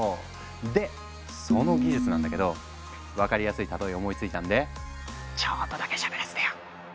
でその技術なんだけど分かりやすい例え思いついたんでちょっとだけしゃべらせてよ。